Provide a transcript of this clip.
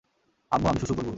আম্মু, আমি সুসু করবো।